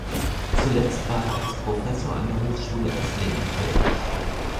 Zuletzt war er als Professor an der Hochschule Esslingen tätig.